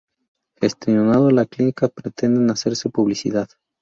Gestionando la clínica pretenden hacerse publicidad.